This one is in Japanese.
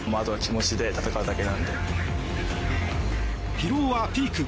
疲労はピーク。